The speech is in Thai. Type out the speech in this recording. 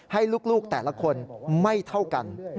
ให้ลูกแต่ละคนไม่เท่ากัน